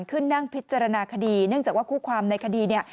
ขึ้นนั่งพิจารณาคดีเนื่องจากว่าคู่ความในคดีเนี่ย